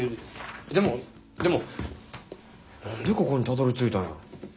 でもでも何でここにたどりついたんやろ？